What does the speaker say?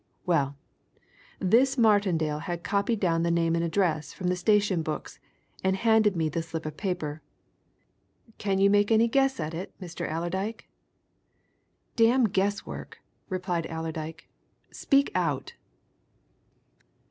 Well, this Martindale had copied down the name and address from the station books, and he handed me the slip of paper. Can you make any guess at it, Mr. Allerdyke?" "Damn guess work!" replied Allerdyke. "Speak out!"